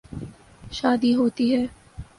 شادی ہوتی ہے۔